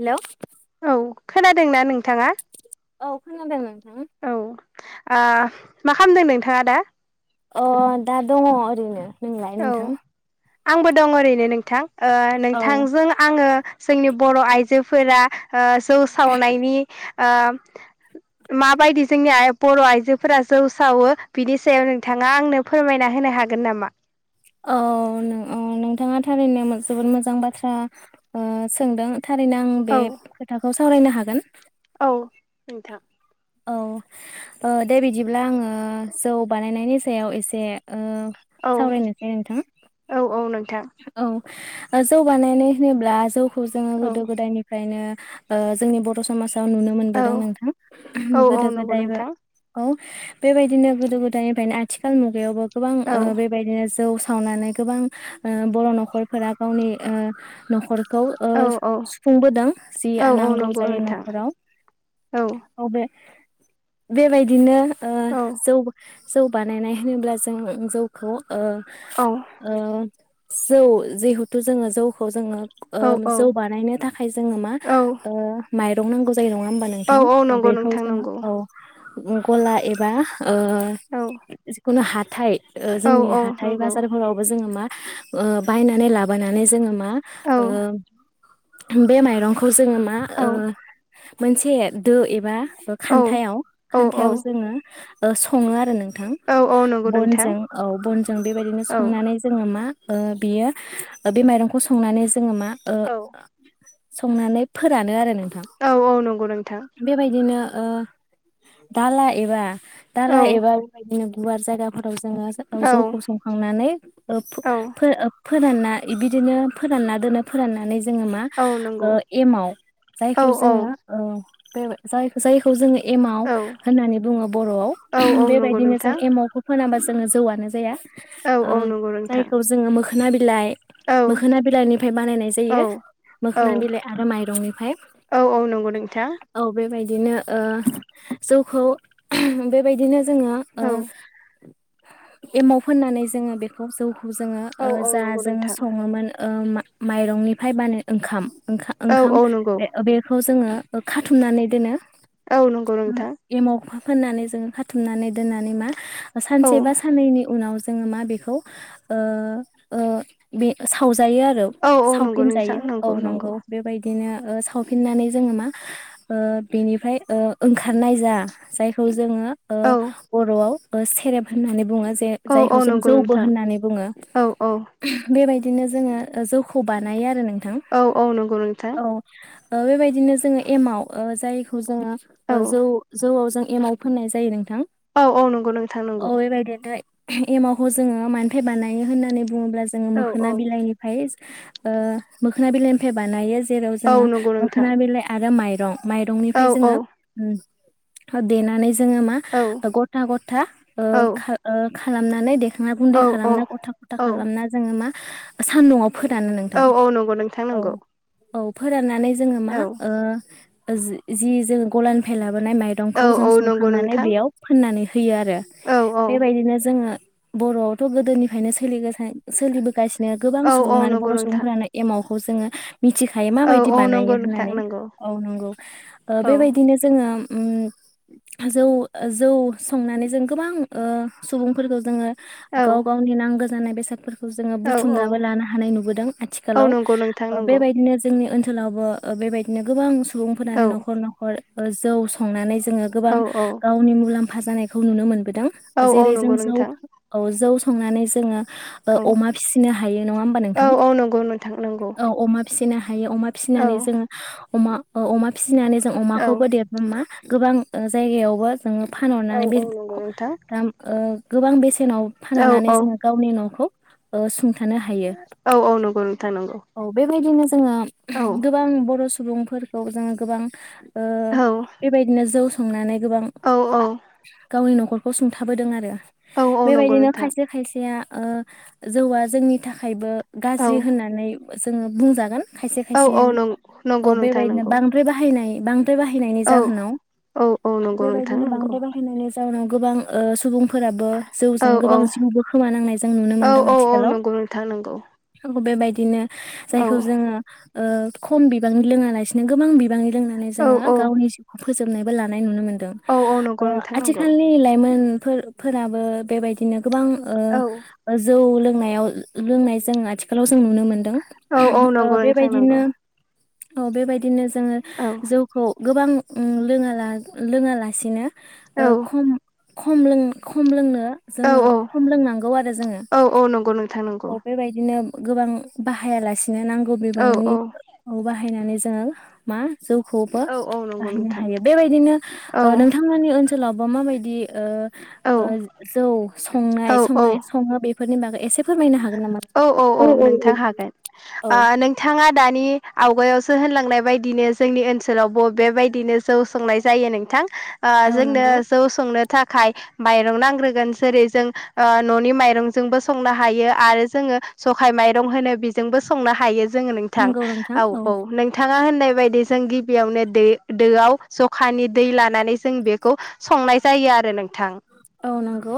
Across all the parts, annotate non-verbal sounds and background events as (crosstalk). Hello औ खोनादों ना नोंथाङा औ खोनादों हम औ ओ मा खालामदों नोंथाङा दा अ दा दङ ओरैनो नोंलाय औ नोंथां आंबो दं ओरैनो नोंथां ओ औ नोंथांजों आङो जोंनि बर' आइजो फोरा जौ सावनायनि ओ माबायदि जोंनि बर' आइजोफोरा जौ सावो बिनि सायाव नोंथाङा आंनो फोरमायना होनो हागोन नामा औ औ नोंथाङा थारैनो जोबोद मोजां बाथ्रा सोंदों थारैनो आं बे औ खोथाखौ सावरायनो हागोन औ नोंथां औ दे बिदिब्ला आङो जौ बानायनायनि सायाव एसे ओ औ सावरायनोसै नोंथां औ औ नों थां औ जौ बानायनाय होनोब्ला जौ खौ जोङो औ गोदो गोदायनिफ्रायनो ओ जोंनि बर' समाजा नुनो औ मोनबोदों नोंथां औ औ गोदो नंगौ गोदायबो नोंथां औ बेबायदिनो गोदो गोदायनिफ्रायनो आथिखाल मुगायावबो गोबां औ ओ बेबायदिनो जौ सावनानै गोबां ओ बर' न'खरफोरा गावनि ओ न'खर खौ ओ औ औ सुफुंबोदों जि औ औ नांगौ नंगौ जायो नोंथां न'खराव औ ओ बेे बेबायदिनो आ जौ जौ बानायनाय होनोब्ला जों जौखौ अ औ ओ जौ जिहेथु जोङो जौखौ जोङो ओ औ जौ औ बानायनो थाखाय जोङो मा औ ओ माइ रं नांगौ जा जायो नङा होमबा औ नोंथां औ नंगौ बेखौ नोंथां जोङो नंगौ औ। गला एबा ओ औ जिखुनो हा थाय ओ औ जोंनि औ हाथाइ नंगौ बाजारफोरावबो जोङो मा (inaudible) ओ बायनानै लाबोनानै जोङो मा मा औ ओ बे माइरंखौ जोङो मा औ ओ मोनसे दो एबा औ खान्थायाव औ खान्थायाव जोङो ओ सङो आरो नों थां औ औ नंगौ नोंथां बनजों औ बनजों बेबायदिनो औ संनानै जोङो मा ओ बियो बे माइरंखौ संनानै जोङो मा ओ औ संनानै फोरानो आरो नों औ औ नंगौ नोंथां। ओ दाला एबा औ दाला एबा बिदिनो गुवार जायगाफोराव जोङो औ जौखौ संखांनानै ओ औ फोरानना बिदिनो फोरानना दोनो फोराननानै जोङो मा औ ओ नंगौ एमाव औ जायखौ औ जोङो बे जाय जायखौ जोङो। एमाव औ होननानै बुङो बर'आव औ औ नंगौ बेबायदिनो जों नोंथां एमावखौ फोनाबासो जोङो जौआनो जाया औ ओ औ नंगौ नोंथां। जायखौ जोङो मोखोना बिलाइ औ मोखोना बिलाइनिफ्राय बानायनाय औ जायो औ मोखोना बिलाइ आरो माइरंनिफ्राय औ औ नंगौ नोंथां औ बे बायदि बिदिनो ओ जौखौ बेबायदिनो जोङो ओ औ एमाव फोननानै जोङो बेखौ जौ जोङो ओ औ औ जा नंगौ जोङो नोंथां सङोमोन मा माइरंनिफ्राय बानो ओंखाम ओंखा औ ओंखाम औ नंगौ बेखौ जोङो खाथुमनानै दोनो औ नंगौ नोंथां एमाव फोननानै जोङो खाथुमनानै दोननानै मा औ सानसे बा साननैनि उनाव ज जोङो मा बेखौ ओ ओ बे साव जायो आरो औ औ नंगौ सावफिन नोंथां जायो औ नंगौ नंगौ नोंगौ बेबायदि बिदिनो ओ सावफिननानै जोङो मा ओ बिनिफ्राय ओ ओंखारनाय जा जायखौ जोङो ओ औ बर'आव सेरेब होननानै बुङो जे औ औ जायखौ जों नंगौ जौबो नोंथां होननानै बुङो औ औ बेबायदि बिदिनो जोङो जौखौ बानायो आरो नों औ औ नंगौ नोंथां ओ बेबायदिनो जोङो एमाव ओ जायखौ जोङो औ ओ जौ जौआव जों एमाव फोननाय जायो नों औ औ नंगौ नोंथां नंगौ बेबायदिनो एमावखौ जोङो मान फाइ बानायो होननानै बुङोब्ला जोङो औ औ मोखोना बिलाइनिफाय ओ मोखोना बिलाइनिफाय बानायो जेराव औ जोङो नंगौ नोंथां मोखोना बिलाइ आरो माइ माइरंनिफ्राय औ औ जोङो उम ओ देनानानै जोङो मा औ गथा गथा ओ औ खा ओ खा खालामनानै देखां औ खालामना गथा गथा औ खालामना जोङो मा सान्दुंङा औ औ नंगौ नोंथां नंगौ औ फोराननानै जोङो मा औ ओ जि जि जों गलानिफाय ला बोनाय औ माइरंखौ जों औ नंगौ संखांनानै नोंथां बेयाव फोननानै होयो आरो औ औ बेबायदिनो जोङो बर'आव थ' गोदोनिफ्रायनो सोलिगासि सोलिबोगासिनो गोबां औ औ सुबुङानो नंगौ बर' नोंथां सुबुंफोरानो एमाव खौ जोङो मिथिखायो औ माबायदि औ नंगौ बानायो नोंथां होननानै नंगौ औ नंगौ ओ औ बेबायदिनो जोङो उम जौ ओ जौ संनानै जों गोबां ओ सुबुंफोरखौ जोङो औ गाव गावनि नांगो जानाय बेसादफोर खौ जोङो औ औ बुथुमनाबो लानो हानाय नुबोदों औ आथिखालाव नंगौ नोंथां ओ नंगौ बेबायदिनो जोंनि ओनसो सोलावबो ओ बेबायदिनो गोबां औ सुबुंफोरानो नखर नखर ओ जौ संनानै जोङो औ गोबां औ गावनि मुलाम फा जानायखौ नुनो मोनबो दों औ औ जेरै नंगौ नोंथां जौ जौ संनानै जोङो औ ओ अमा फिसिनो हायो नङा होमबा औ नोंथां औ नंगौ नोंथां नंगौ औ अमा फिसिना हायो अमा औ फिसिनानै जोङो अमा अ अमा फिसि फिसिनानै जों औ अमाखौबो देरबा मा गोबां ओ जायगायावबो जोङो औ फानहरनानै औ नंगौ बेदरखौ नोंथां दाम ओ गोबां बेसे सेनाव औ फानहरनानै जोङो गावनि नखौ ओ सुं थानो हायो औ औ नंगौ नोंथां नंगौ औ बेबायदिनो जोङो औ गोबां बर' सुबुं फोरखौ जोङो गोबां ओ औ बेबायदिनो जौ संनानै गोबां औ औ गावनि नखर नखरखौ सुंथाबोदों आरो औ औ नंगौ बेबायदिनो नोंथां खायसे खायसेया ओ जौआ जोंनि थाखायबो गाज्रि औ होननानै जोङो बुंजागोन खायसे औ खायसे औ नंगौ औ नोंथां बेबायदिनो नंगौ बांद्राय बाहायनाय बां द्राय बाहायनायनि औ जाहोनाव औ औ नंगौ नोंथां बेबायदिनो नंगौ बांद्राय बाहायनायनि टाउनाव गोबां ओ सुबुंफोरा औ जौजों औ गोबां जिउबो खोमा नांनाय जों नुनो औ मोनदों औ औ आथिखालाव नंगौ नोंथां नंगौ आं बेबायदि बिनो औ जायखौ जोङो ओ खम बिबांनि लोङा लासिनो गोबां बि बांनि लोंनानै औ जोङो गावनि जिउखौ फोजोबनायबो लानाय नुनो मोनो दों औ औ नंगौ ओ नोंथां नंगौ आथिखालनि लाइमोन फोर फोराबो बेबायदिनो गोबां औ ओ जौ लों नायाव लोंनाय जों आथिखालाव जों नुनो मोनदों औ औ नंगौ ओ नोंथां नंगौ बेबायदिनो औ बेबायदि बिदिनो जोङो औ जौखौ गोबां उम लोङा लोङालासिनो औ ओ खम खम लों खम लोंनो औ जोङो खम लोंनांगौ आरो जोङो औ औ नंगौ नोंथां नंगौ औ बेबायदिनो गोबां बाहायालासे बिनो नांगौ औ बिबांनि बाहायनानै जों मा जौखौबो औ औ नंगौ बाहायनो नोंथां हायो बेबायदिनो औ ओ नोंथांमोननि ओनसोलाव बा माबायदि ओ औ ओ जौ औ संनाय संनाय सङो बे फोरनि बागै एसे फोरमायनो हागोन नामा? औ औ औ नोंथां हागोन औ आ नोंथाङा दानि आवगायावसो होनलांनाय बायदिनो जोंनि ओनसोलावबो बेबायदिनो जौ संनाय जायो नोंथां ओ औ जोंनो नंगौ जौ संनो थाखाय माइरं नांग्रोगोन जेरै जों ओ न'नि माइरंजोंबो संनो हा हायो आरो जोङो जखाय माइरं होनो बेजोंबो संनो हायो जोङो नोंथां नंगौ नोंथां औ औ नोंथां ङा होननाय बायदि जों गिबियावनो दै दोआव जखानि दै लानानै जों बेखौ संनाय जायो आरो नोंथां औ नंगौ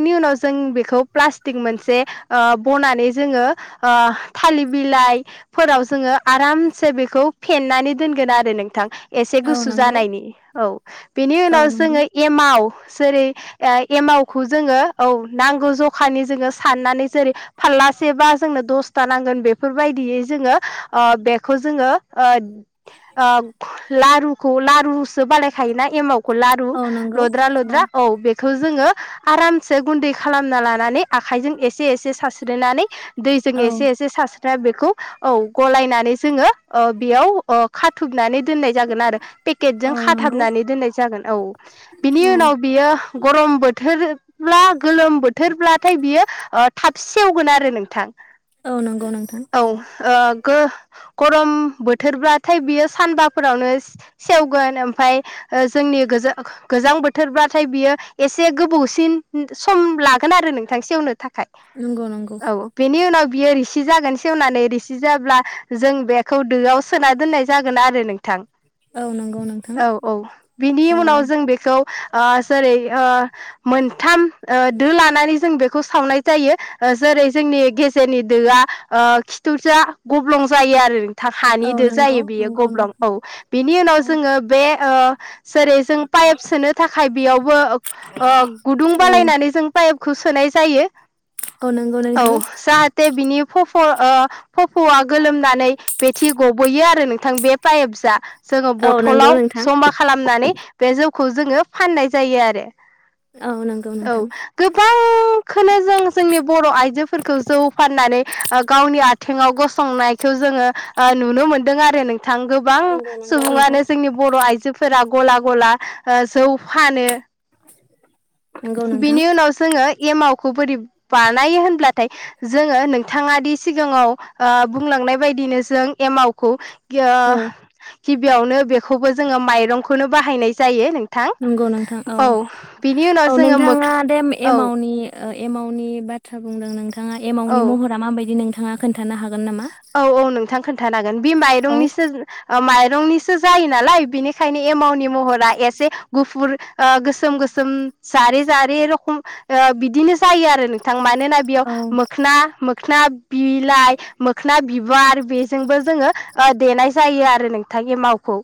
नि उनाव जों बेखौ प्लास थिक मोनसे ओ बनानै जोङो ओ थालिर बिलाइफोराव जोङो आरामसे बेखौ फेननानै दोनगोन आरो नोंथां एसे औ गुसु नंगौ जानायनि औ बेनि औ उनाव नंगौ जोङो एमाव जेरै ओ एमावखौ जोङो औ नांगौ जखानि जोङो साननानै जेरै फारलासेबा जोंनो दसथा नांगोन बेफोरबायदियै जोङो अ बेखौ जोङो ओ ओ लारुखौ लारुसो बानायायखायोना एमाव खौ लारु औ नंगौ लद्रा लद्रा औ बे खौ जोङो आरामसे गुन्दै खालामना लानानै आखाइजों एसे एसे सारस्रिनानै दैजों औ एसे एसे सार दा बेखौ औ गलायनानै जोङो ओ बेयाव ओ खाथुमनानै दोनाय जागोन आरो पेकेटजों औ नंगौ खाथाबनानै दोननाय जागोन औ बिनि औ उनाव बियो गरम बोथोरब्ला गोलोम बोथोरब्ला बियो ओ थाब सेवगोन आरो नोंथां औ नंगौ नोंथां औ ओ गो गरम बोथोरब्लाथाय बियो सानबाफोरावनो सेवगोन ओमफाय जोंनि गोज गोजां बोथोरब्लाथाय बियो एसे गोबावसिन सम लागोन आरो नों थां सेवनो था खाय नंगौ नंगौ औ बिनि नाव बियो रिसि जागोन सेवनानै रिसि जाब्ला जों बेखौ दोआव सोना दोननाय जागोन आरो नोंथां औ नंगौ नोंथां औ औ बिनि औ उनाव जों बेखौ ओ जेरै ओ मोनथाम ओ दो लानानै बेखौ सावनाय जायो ओ जेरै जोंनि गेजेरनि दोआ ओ खिथुजा गब्लं जायो आरो औ हानि दो नंगौ जायो बियो नंगौ गब्लं नोंथां औ बिनि उनाव औ जोङो बे ओ जेरै जों पाइप सोनो थाखाय बेयावबो ओ गुदुं औ बालायनानै जों पाइप खौ सोनाय जायो औ नंगौ औ नोंथां जाहाथे बिनि फ फ' ओ फफ'आ गोलोमनानै बेथि गब'यो आरो नों थां बे पाइप जा जोङो औ नंगौ बथलाव नोंथां जमा खालामनानै बे जौ खौ जोङो फाननाय जायो आरो औ नंगौ नोंथां गोबांखोनो जों जोंनि बर' आइजोफोरखौ जौ फाननानै ओ गावनि आथिङाव गसंनायखौ जोङो ओ नुनो मोनदों आरो नों थां गोबां नंगौ नंगौ नोंथां सुबुङानो जोंनि बर' आइजोफोरा गला गला ओ जौ फानो (inaudible) नंगौ नोंथां बिनि उनाव जोङो एमावखौ बोरै बानायो होनब्लाथाय जोङो नोंथाङादि सिगाङाव ओ बुंलांनाय बायदिनो जों एमावखौ (unintelligible) औ गिबियावनो बेखौबो जोङो माइरंखौनो बाहायनाय जायो नोंथां नंगौ औ बिनि उनाव थाङा मोख बे औ एमावनि एमावनि बाथ्रा बुंदों नों थाङा एमावनि औ महरा माबायदि नों थाङा खोन खोन्थानो हागोन नामा (unintelligible) बि औ माइरंनिसो ओ माइ रंनिसो जायो नालाय बेनिखायनो एमावनि महरा एसे गुफुर ओ गोसोम गोसोम जारे जारे रखम ओ बिदिनो जायो आरो नोंथां मा ना बेयाव औ मोखना मोखोना बिलाइ मोखोना बिबार आरो बेजोंबो जोङो देनाय जायो आरो नोंथां एमाव खौ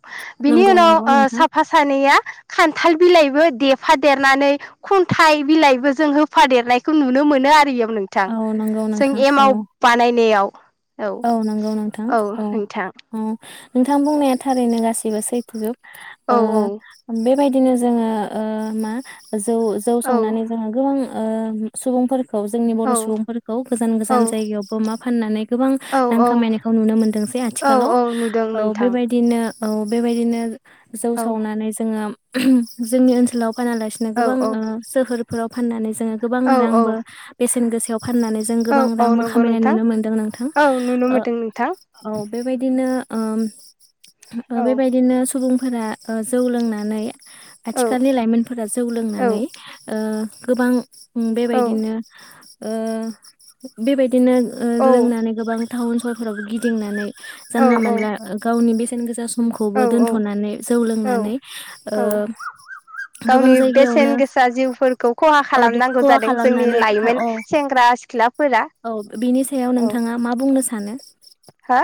बिनि नंगौ उनाव नंगौ ओ नोंथां साफा सानैया खान्थाल बिलाइबो देफादेरनानै खुन्थाइ बिलाइबो जों होफादेरनायखौ नुनो मोनो आरो नोंथां औ नंगौ जों नोंथां औ एमाव बानायनायाव औ नंगौ नोंथां औ औ नोंथां बुंनाया थारैनो गासिबो सैथोजोब औ ओ बेबायदिनो जोङो ओ मा जौ जौ औ संनानै जोङो गोबां ओ सुबुंफोर खौ जोंनि औ बर' सुबुंफोरखौ गोजान गोजान जायगायावबो मा फाननानै गोबां औ रां औ खामायनायखौ नुनो मोनदोंसै औ आथिखालाव औ नुदों औ नोंथां बेबायदिनो औ बेबायदिनो जौ औ सावनानै जोङो (unintelligible) जोंनि ओनसोलाव फानालासिनो औ गोबां औ ओ सोहोर फोराव फाननानै जोङो गोबां औ रांबो औ बेसेन गोसायाव फाननानै जों औ गोबां औ रांबो नंगौ खामायनाय नोंथां नुनो मोन्दों नों औ नुनो मोनदों नोंथां बेबायदिनो ओ ओ औ बेबायदिनो सुबुंफोरा ओ जौ लोंनानै औ आथिखालनि लाइमोनफोरा जौ औ लोंनानै ओ गोबां औ बेबायदिनो ओ बेबायदि बिदिनो ओ लोंना गोबां टाउन सहरफोरावबो गिदिंनानै जानला मोनला गावनि बेसे (unintelligible) औ समखौबो औ दोनथ'नानै जौ लोंनानै ओ गोबां गावनि जायगायावनो बेसेन गोसा जिउफोरखौ खहा (unintelligible) खालामनांगौ खहा जादों जोंनि खालामनानै औ लाइमोन औ सेंग्रा सिख्लाफोरा औ बिनि सायाव नों औ मा बुंनो सानो? हो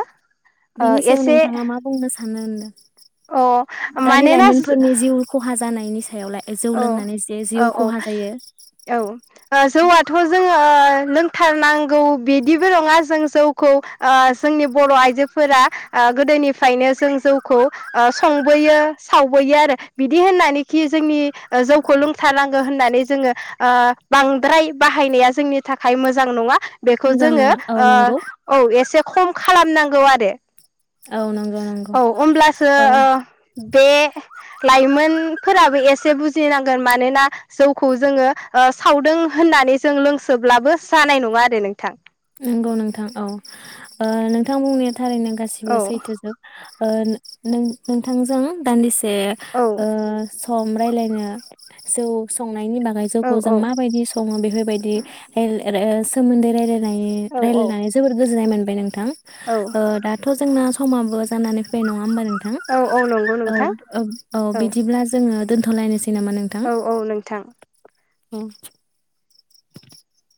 बेनि सायाव एसे नोंथाङा मा बुंनो सान सानो नो अ (unintelligible) दानि मानोना लाइमोनफोरनि जिउ खहा जानाय नि सायावलाय जौ औ लोंनानै जे जिउ औ औ खहा जायो औ जौआथ' जों लोंथारनांगौ बिदिबो नङा जों जौखौ ओ जोंनि बर' आइजोफोरा गोदोनिफ्रायनो जों जौखौ ओ संबोयो सावबोयो आरो बिदि होननानैखि जोंनि ओ जौखौ लोंथारनांगो होननाय जोङो ओ बांद्राय बाहायनाया जोंनि थाखाय मोजां नङा बेखौ मोजां जोङो नङा औ ओ नंगौ औ एसे खम खालामनांगौ आरो औ नंगौ नंगौ औ हमब्लासो औ ओ बे लाइमोनफोराबो एसे एसे बुजिनांगोन मानोना जौखौ जोङो ओ सावदों होननानै जों लोंसोब्लाबो जानाय नङा आरो नोंथां नंगौ नोंथां औ ओ नोंथां बुंन थारैनो गासिबो औ सैथोजोब ओ उम नोंथांजों दान्दिसे औ से ओ सम रायलायना जौ सं नायनि बागै औ जौखौ जों माबायदि दङ बेफोरबायदि ए ल रे सोमोन्दै रायलायनो नाय औ रायलायनानै जोबोर गोजोननाय गोजोननाय मोनबाय नोंथां औ ओ दाथ' जोंना समाबो जानानै फैबाय नङा होमबा नों थां औ औ नंगौ औ नोंथां ओ औ बिदिब्ला जोङो दोनथ'लायनोसै नामा नोंथां? औ औ नोंथां औ (inaudible)